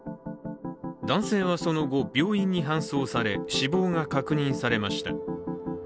男性はその後、病院に搬送され死亡が確認されました。